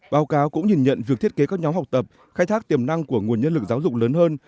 báo cáo cũng nhìn nhận việc thiết kế các nhóm học tập khai thác tiềm năng của nguồn nhân lực giáo dục lớn hơn